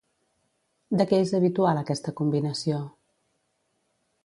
De què és habitual aquesta combinació?